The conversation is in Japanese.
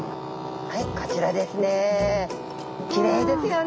はいこちらですね。